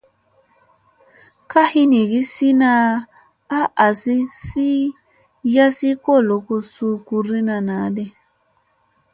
Ka hinigi sina a asi sii yasi kolo ko suu gurɗiina naa di.